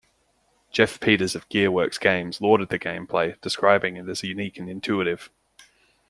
Jeff Peters of GearWorks Games lauded the gameplay, describing it as unique and intuitive.